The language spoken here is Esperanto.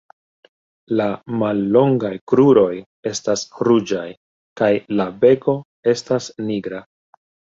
La mallongaj kruroj estas ruĝaj kaj la beko estas nigra.